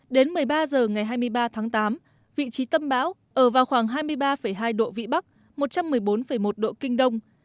đến một mươi ba h ngày hai mươi ba tháng tám vị trí tâm bão ở vào khoảng hai mươi ba hai độ vĩ bắc một trăm một mươi bốn một độ kinh đông